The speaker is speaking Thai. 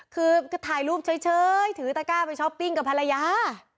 คือถ่ายรูปเฉยถือตะก้าไปช้อปปิ้งกับภรรยา